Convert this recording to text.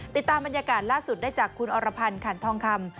ติดตามบรรยากาศล่าสุดได้จากคุณอรพันธ์ขันทองคำ